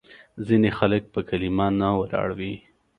ځینې خلک په کلیمه نه ولاړ وي.